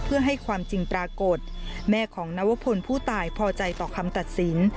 เพื่อให้ความจริงปรากฏแม่ของนวพลผู้ตายพอใจต่อคำตัดสิน